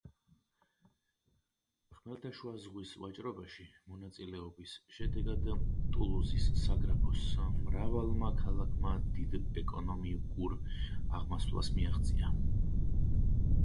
ხმელთაშუა ზღვის ვაჭრობაში მონაწილეობის შედეგად ტულუზის საგრაფოს მრავალმა ქალაქმა დიდ ეკონომიკურ აღმასვლას მიაღწია.